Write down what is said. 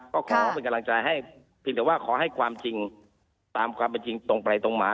ก็ขอเป็นกำลังใจให้เพียงแต่ว่าขอให้ความจริงตามความเป็นจริงตรงไปตรงมา